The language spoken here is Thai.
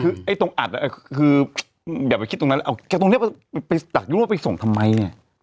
คือไอ้ตรงอัดอ่ะคืออย่าไปคิดตรงนั้นเอาแกตรงเนี้ยไปสั่งรูปไปส่งทำไมเนี้ย